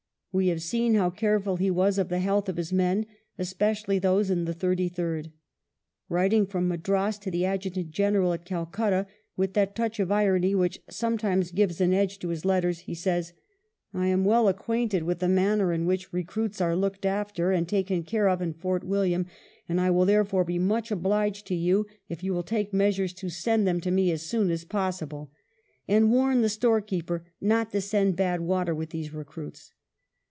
We have seen how careful he was of the health of his men, especi ally those in the Thirty third. Writing from Madras to the Adjutant General at Calcutta, with that touch of irony which sometimes gives an edge to his letters, he says, " I am well acquainted with the manner in which recruits are looked after and taken care of in Fort William, and I shall, therefore, be much obliged to you if you will take measures to send them to me as soon as possible," and warn the storekeeper "not to send bad water with these recruits."